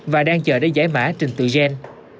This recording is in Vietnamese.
và đang chờ để giải mã trình tự gen